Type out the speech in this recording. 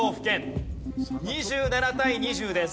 ２７対２０です。